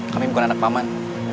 kamu bukan anak paman